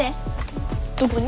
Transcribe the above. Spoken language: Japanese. どこに？